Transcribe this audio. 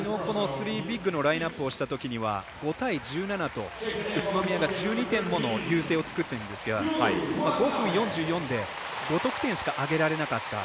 スリービッグのラインナップをしたときには５対１７と宇都宮が１５点もの優勢を作ったんですが５分４４で５得点しか挙げられなかった。